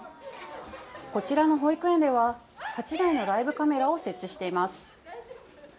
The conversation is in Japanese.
こちらの保育園では８台のライブカメラを設置しています。